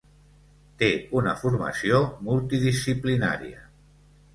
Té una formació multidisciplinària.